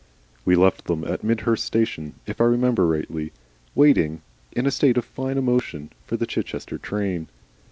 We left them at Midhurst station, if I remember rightly, waiting, in a state of fine emotion, for the Chichester train.